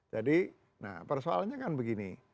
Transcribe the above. jadi persoalannya kan begini